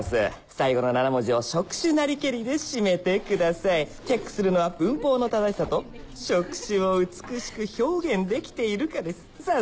最後の７文字を「触手なりけり」で締めてくださいチェックするのは文法の正しさと触手を美しく表現できているかですさあ